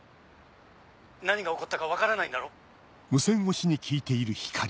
何が起こったか分からないんだろ？